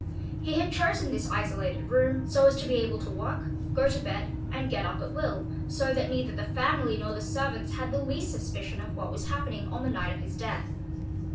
He had chosen this isolated room so as to be able to work, go to bed, and get up at will, so that neither the family nor the servants had the least suspicion of what was happening on the night of his death.